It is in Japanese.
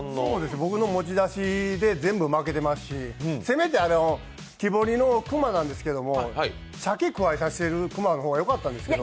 僕の持ち出しで全部負けてますしせめて木彫りの熊なんですけどシャケくわえさせる熊の方がよかったんですけど。